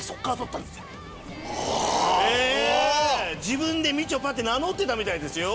自分で「みちょぱ」って名乗ってたみたいですよ。